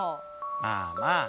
まあまあ。